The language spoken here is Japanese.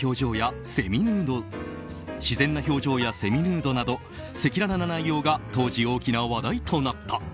自然な表情やセミヌードなど赤裸々な内容が当時大きな話題となった。